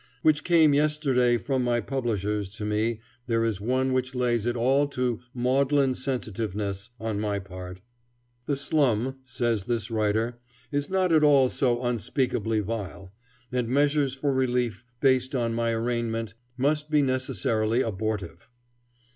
"] which came yesterday from my publishers to me there is one which lays it all to "maudlin sensitiveness" on my part. [Illustration: Lunching at Delmonico's.] "The slum," says this writer, "is not at all so unspeakably vile," and measures for relief based on my arraignment "must be necessarily abortive."